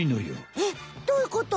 えっどういうこと？